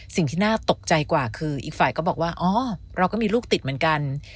สิ่งที่น่าตกใจกว่าคืออีกฝ่ายก็บอกว่าอ๋อเราก็มีลูกติดเหมือนกัน